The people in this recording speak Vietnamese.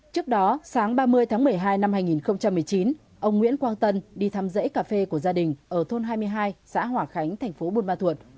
trước đó sáng ba mươi tháng một mươi hai năm hai nghìn một mươi chín ông nguyễn quang tân đi thăm rễ cà phê của gia đình ở thôn hai mươi hai xã hỏa khánh thành phố buôn ma thuột